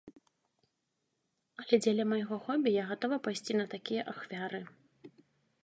Але дзеля майго хобі я гатова пайсці на такія ахвяры.